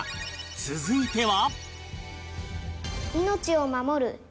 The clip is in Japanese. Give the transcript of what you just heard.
続いては